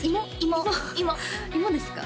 芋ですか？